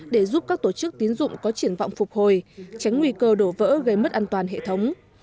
để giúp các tổ chức tín dụng có triển vọng phục hồi tránh nguy cơ đổ vỡ gây mất an toàn hệ thống